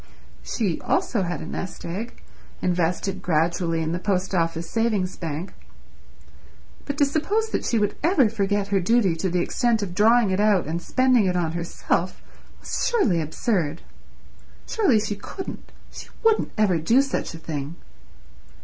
She, also, had a nest egg, invested gradually in the Post Office Savings Bank, but to suppose that she would ever forget her duty to the extent of drawing it out and spending it on herself was surely absurd. Surely she couldn't, she wouldn't ever do such a thing?